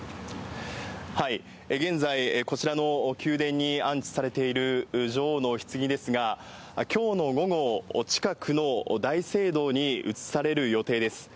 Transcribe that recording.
現在、こちらの宮殿に安置されている女王のひつぎですが、きょうの午後、近くの大聖堂に移される予定です。